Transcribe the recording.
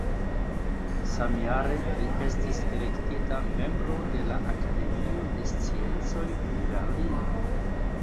Samjare li estis elektita membro de la Akademio de Sciencoj en Berlino.